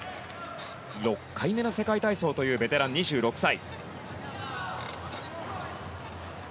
６回目の世界体操というベテラン２６歳。